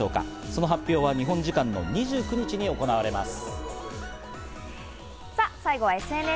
その発表は日本時間の２９日に行われます。